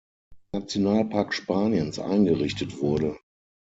Nationalpark Spaniens eingerichtet wurde.